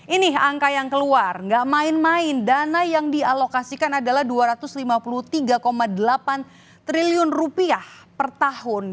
ini angka yang keluar nggak main main dana yang dialokasikan adalah dua ratus lima puluh tiga delapan triliun rupiah per tahun